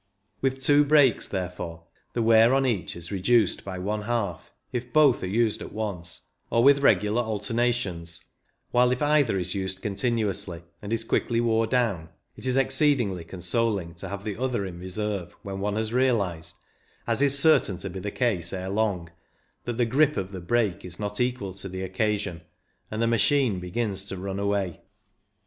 With two brakes, therefore, the wear on each is reduced by one half if both are used at once, or with regular alternations, while if either is used continuously, and is quickly worn down, it is exceedingly con soling to have the other in reserve when 228 CYCLING IN THE ALPS one has realized, as is certain to be the case ere long, that the grip of the brake is not equal to the occasion, and the machine begins to run away.